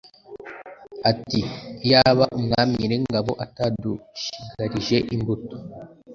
ati, ‘Iyaba Umwami Nyiringabo atadushigarije imbuto,